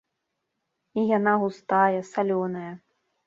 І яна густая, салёная.